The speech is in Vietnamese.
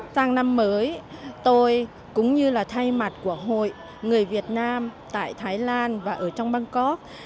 sang năm mới tôi cũng như là thay mặt của hội người việt nam tại thái lan và ở trong bangkok